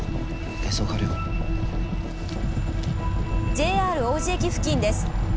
ＪＲ王子駅付近です。